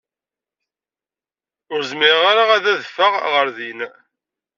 Ur zmireɣ ara ad adfeɣ ɣer din.